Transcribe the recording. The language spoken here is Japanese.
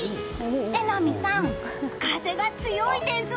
榎並さん、風が強いです。